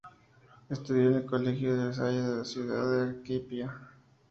Estudio en el colegio La Salle de la ciudad de Arequipa.